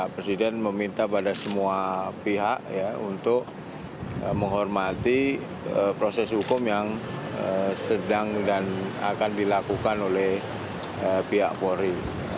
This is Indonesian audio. presiden meminta pada semua pihak untuk menghormati proses hukum yang sedang dan akan dilakukan oleh pihak polri